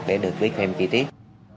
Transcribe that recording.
để được viết thêm kỹ tiết